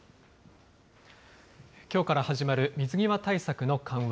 きょうから始まる水際対策の緩和。